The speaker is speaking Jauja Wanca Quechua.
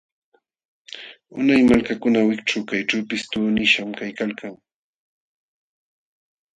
Unay malkakuna wikćhu kayćhuupis tuqnishqam kaykalkan.